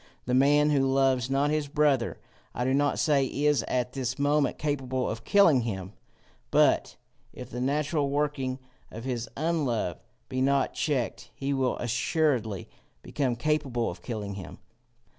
The man who loves not his brother, I do not say is at this moment capable of killing him, but if the natural working of his unlove be not checked, he will assuredly become capable of killing him.